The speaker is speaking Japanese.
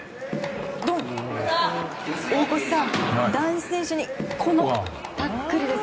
大越さん、男子選手にこのタックルです。